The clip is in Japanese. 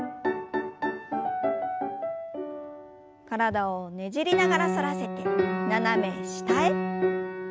体をねじりながら反らせて斜め下へ。